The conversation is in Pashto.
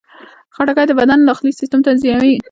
خټکی د بدن داخلي سیستم تنظیموي.